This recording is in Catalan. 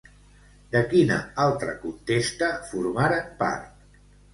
De quina altra contesta formaren part?